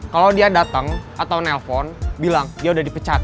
kalau dia dateng atau nelpon bilang dia udah dipecat